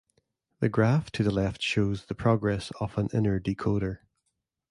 The graph to the left shows the progress of an inner decoder.